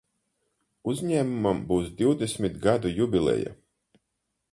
Uzņēmumam būs divdesmit gadu jubileja.